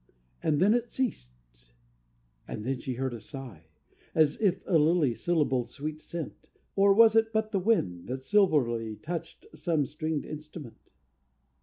... And then it ceased: and then she heard a sigh, As if a lily syllabled sweet scent, Or was it but the wind that silverly Touched some stringed instrument?